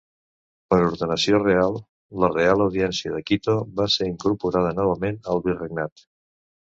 Per ordenació real, la Reial Audiència de Quito va ser incorporada novament al Virregnat.